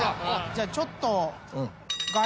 じゃあちょっと。